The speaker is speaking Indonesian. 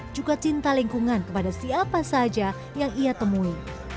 juga cinta lingkungan kepada siapa saja yang ia temui